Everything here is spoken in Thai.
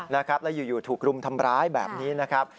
แล้วอยู่ถูกรุมทำร้ายแบบนี้นะครับ